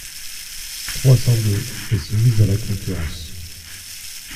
trois cents-deux est soumise à la concurrence.